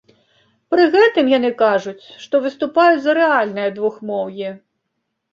Пры гэтым яны кажуць, што выступаюць за рэальнае двухмоўе.